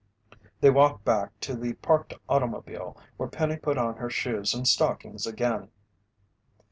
They walked back to the parked automobile where Penny put on her shoes and stockings again.